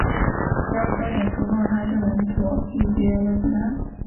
只要焦点足够她就能躲避敌人的子弹。